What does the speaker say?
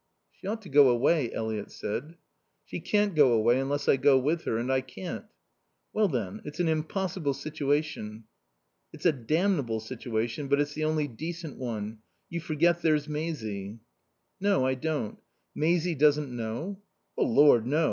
"She ought to go away," Eliot said. "She shan't go away unless I go with her. And I can't."' "Well, then, it's an impossible situation." "It's a damnable situation, but it's the only decent one. You forget there's Maisie." "No, I don't. Maisie doesn't know?" "Oh Lord, no.